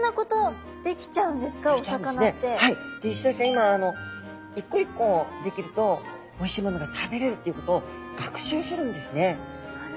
今一個一個できるとおいしいものが食べれるっていうことを学習するんですね。